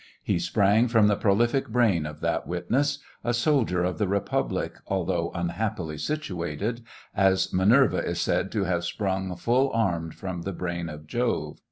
He sprang from the prolific brain of that witness — a soldier of the republic, although unhappily situated — as Minerva is said to have sprung full armed from the brain of Jove.